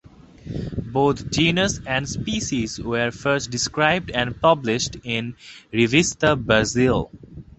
Both genus and species were first described and published in Revista Brasil.